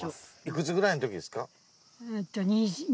幾つぐらいの時ですか？